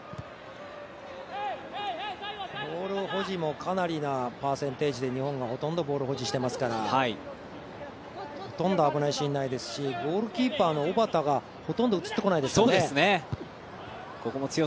ボール保持もかなりなパーセンテージで日本がほとんどボール保持してますからほとんど危ないシーンないですしゴールキーパーの小畑がほとんど映ってこないですよね。